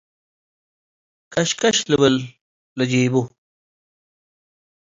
ከሽከሽ ልብል ለጂቡ